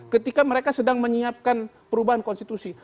ketika mereka sedang menyiapkan perubahan konstitusi